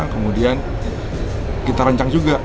kemudian kita rancang juga